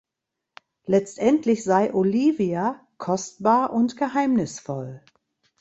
Letztendlich sei "Olivia" kostbar und geheimnisvoll.